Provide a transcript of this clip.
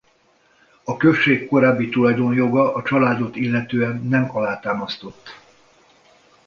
A község korábbi tulajdonjoga a családot illetően nem alátámasztott.